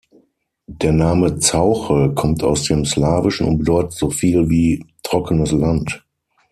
Der Name "Zauche" kommt aus dem Slawischen und bedeutet so viel wie „trockenes Land“.